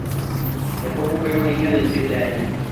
Dejó mujer un niño de siete años.